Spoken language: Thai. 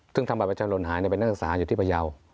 ซึ่งทำบัตรประชาชนหล่นหายเป็นนักศึกษาอยู่ที่พยาว